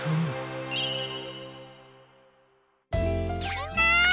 みんな！